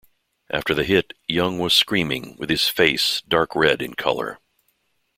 After the hit, Young was screaming with his face dark red in color.